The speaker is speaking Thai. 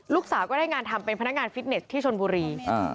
ก็ได้งานทำเป็นพนักงานฟิตเนสที่ชนบุรี